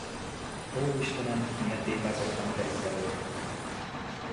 Ó, istenem, milyen tépázottan került elő!